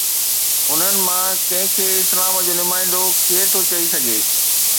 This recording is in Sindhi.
انهن مان ڪنهن کي اسلام جو نمائندو ڪير ٿو چئي سگهي؟